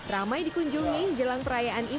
ramai dikunjungi jelang perayaan imlek